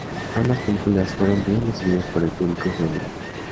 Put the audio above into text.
Ambas películas fueron bien recibidas por el público juvenil.